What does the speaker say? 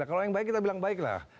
kalau yang baik kita bilang baik lah